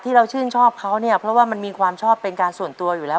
เราชื่นชอบเขาเนี่ยเพราะว่ามันมีความชอบเป็นการส่วนตัวอยู่แล้ว